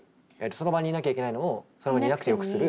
その場にいなきゃいけないのをその場にいなくてよくする。